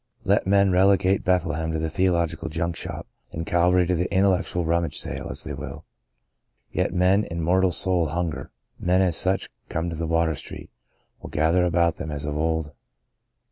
Let men relegate Bethlehem to the theolog ical junk shop, and Calvary to the intellectual rummage sale as they will, yet men in mortal soul hunger — men such as come to Water Street — will gather about them as of old.